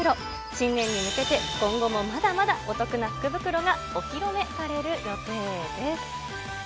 新年に向けて、今後もまだまだお得な福袋がお披露目される予定です。